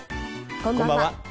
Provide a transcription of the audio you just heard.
こんばんは。